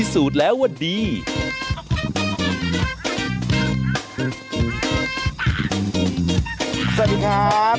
สวัสดีค่ะ